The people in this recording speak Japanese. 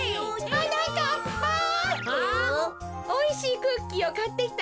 おいしいクッキーをかってきてあげたよ。